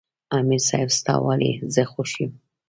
" امیر صېب ستا ولې زۀ خوښ یم" ـ